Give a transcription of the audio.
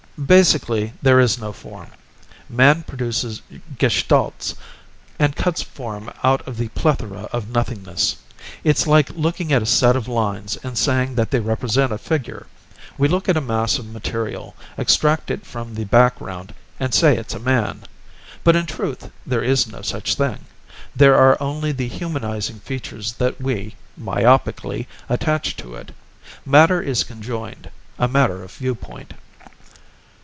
"Basically, there is no form. Man produces gestalts, and cuts form out of the plethora of nothingness. It's like looking at a set of lines and saying that they represent a figure. We look at a mass of material, extract it from the background and say it's a man. But in truth there is no such thing. There are only the humanizing features that we myopically attach to it. Matter is conjoined, a matter of viewpoint."